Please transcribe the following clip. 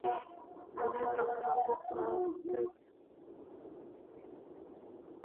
বোনের আগ্রহে পাকেচক্রে আসলে আমি সেই ছোট থেকেই খেলোয়াড় হয়ে গেলাম।